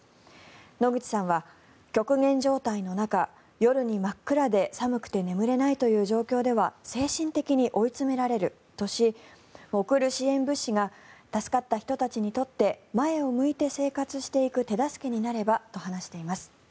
野口さんは極限状態の中、夜に真っ暗で寒くて眠れないという状況では精神的に追い詰められるとし送る支援物資が助かった人たちにとって前を向いて生活していく手助けになればと話しています。